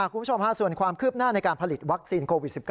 คุณผู้ชมส่วนความคืบหน้าในการผลิตวัคซีนโควิด๑๙